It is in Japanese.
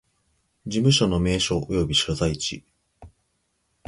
事務所の名称及び所在地